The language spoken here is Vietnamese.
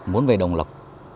muốn về đồng lộc